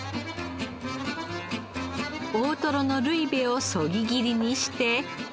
大トロのルイベをそぎ切りにして。